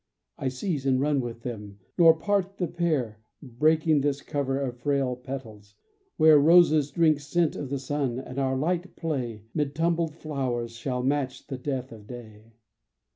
I seize and run with them, nor part the pair, Breaking this covert of frail petals, where Roses drink scent of the sun and our light play 'Mid tumbled flowers shall match the death of day.